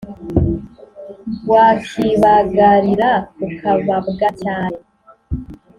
wakibagarira ukababwa cyane